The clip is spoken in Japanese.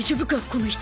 この人